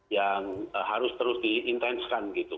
yang harus terus di intense kan gitu